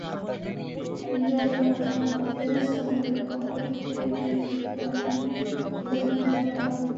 হিরাল মাঝে-মধ্যে সালমানের পক্ষ থেকে টুইট করেন বলেও দাবি করা হয়।